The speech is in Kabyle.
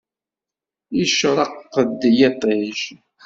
Icreq-d yiṭij.